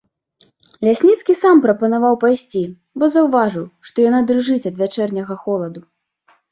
Лясніцкі сам прапанаваў пайсці, бо заўважыў, што яна дрыжыць ад вячэрняга холаду.